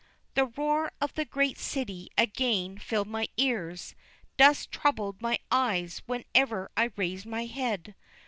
The roar of the great city again filled my ears, dust troubled my eyes whenever I raised my head.